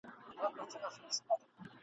خلک واخلي د باغلیو درمندونه `